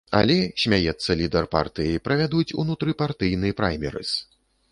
Але, смяецца лідар партыі, правядуць унутрыпартыйны праймерыз.